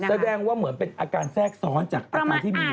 แสดงว่าเหมือนเป็นอาการแทรกซ้อนจากอาการที่มี